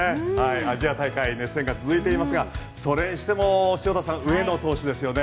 アジア大会熱戦が続いていますがそれしても潮田さん上野投手ですよね